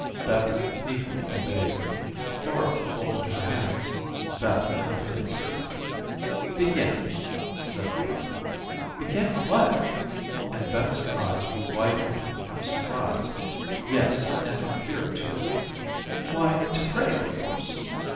Beth meekly obeyed. Laura folded her hands. Beth imitated her. "Begin," said Laura. "Begin what?" and Beth's eyes were wide open from surprise; yes, and from fear, too. "Why, to pray, of course."